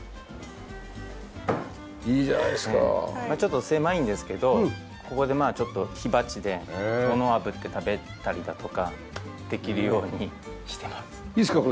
まあちょっと狭いんですけどここでまあちょっと火鉢で物あぶって食べたりだとかできるようにしてます。